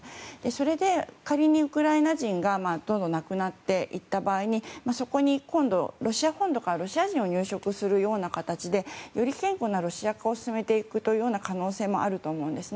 それで仮にウクライナ人がどんどん亡くなっていった場合にそこに今度はロシア本土からロシア人を入植させるということでよりロシア化を進めていく可能性もあると思うんです。